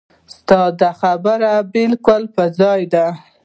ستا دا خبره بالکل پر ځای ده.